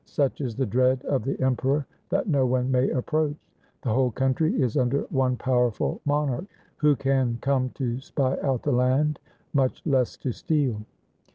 Such is the dread of the Emperor that no one may approach. The whole country is under one powerful monarch. Who can come to spy out the land, much less to steal